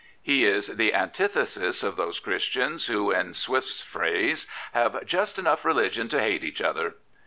He is the antithesis of those Christians who, in Swift's phrase, have " just enough religion to hate each other."